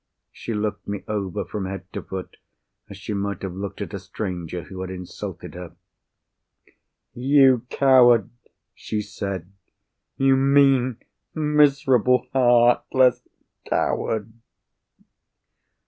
She looked me over, from head to foot, as she might have looked at a stranger who had insulted her. "You coward!" she said. "You mean, miserable, heartless coward!"